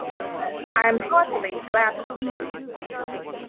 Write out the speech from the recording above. I am heartily glad to see you.